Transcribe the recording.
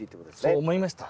そう思いました。